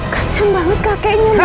kasihan banget kakeknya